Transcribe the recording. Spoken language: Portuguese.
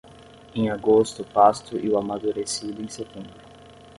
Em agosto o pasto e o amadurecido em setembro.